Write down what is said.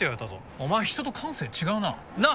お前人と感性違うな。なあ？